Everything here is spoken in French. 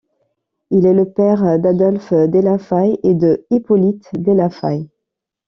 Il est le père d'Adolphe della Faille et de Hippolyte della Faille.